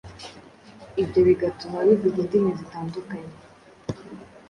ibyo bigatuma bivuga indimi zitandukanye